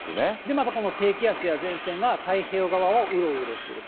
またこの低気圧や前線が太平洋側をうろうろすると。